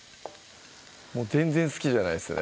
もう全然好きじゃないですね